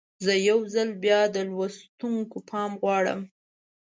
زه یو ځل بیا د لوستونکو پام غواړم.